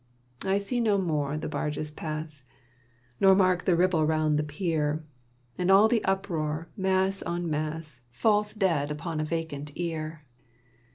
I see no more the barges pass, Nor mark the ripple round the pier, And all the uproar, mass on mass, Falls dead upon a vacant ear.